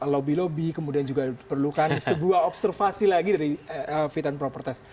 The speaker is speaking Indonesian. lobby lobby kemudian juga diperlukan sebuah observasi lagi dari fit and proper test